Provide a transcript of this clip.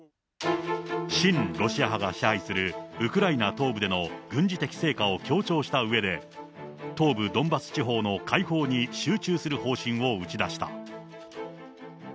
親ロシア派が支配するウクライナ東部での軍事的成果を強調したうえで、東部ドンバス地方の解放に集中する方針を打ち出した。